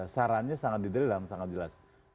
sarannya sangat detail dan sangat jelas